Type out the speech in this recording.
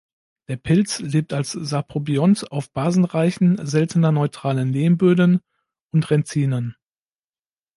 Der Pilz lebt als Saprobiont auf basenreichen, seltener neutralen Lehmböden und Rendzinen.